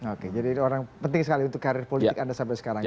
oke jadi orang penting sekali untuk karir politik anda sampai sekarang